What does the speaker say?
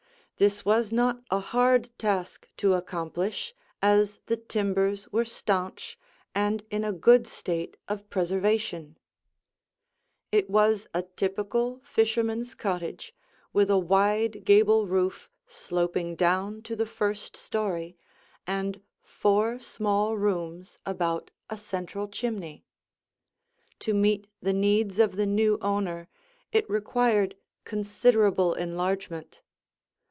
This was not a hard task to accomplish, as the timbers were stanch and in a good state of preservation. [Illustration: THE ROBERT SPENCER HOUSE FRONT VIEW] It was a typical fisherman's cottage, with a wide gable roof sloping down to the first story and four small rooms about a central chimney. To meet the needs of the new owner, it required considerable enlargement.